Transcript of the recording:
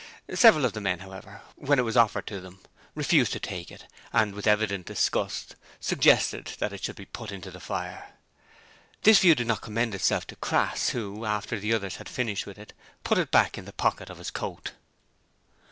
Several of the men, however, when it was offered to them, refused to take it, and with evident disgust suggested that it should be put into the fire. This view did not commend itself to Crass, who, after the others had finished with it, put it back in the pocket of his coat.